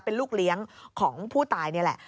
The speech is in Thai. เป็นลูกเลี้ยงของผู้ตายนี่แหละ